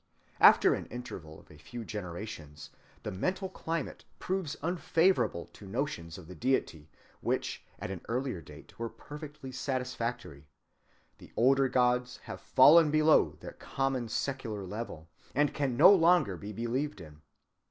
After an interval of a few generations the mental climate proves unfavorable to notions of the deity which at an earlier date were perfectly satisfactory: the older gods have fallen below the common secular level, and can no longer be believed in.